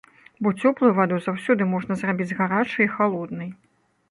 Бо цёплую ваду заўсёды можна зрабіць з гарачай і халоднай.